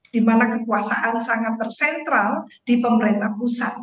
dimana kekuasaan sangat tersentral di pemerintah pusat